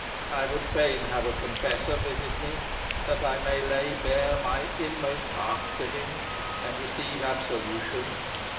I would fain have a confessor visit me, that I may lay bare my inmost heart to him, and receive absolution."